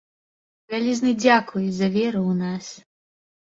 Вялізны дзякуй за веру ў нас.